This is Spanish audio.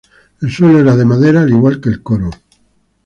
El suelo era de madera al igual que el coro.